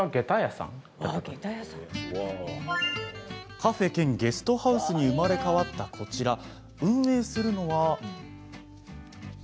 カフェ兼ゲストハウスに生まれ変わったこちらを運営するのは。